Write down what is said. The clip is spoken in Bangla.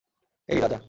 এই, রাজা।